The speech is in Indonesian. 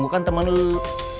gue kan temen lu